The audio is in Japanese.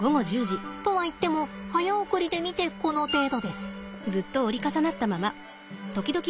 とはいっても早送りで見てこの程度です。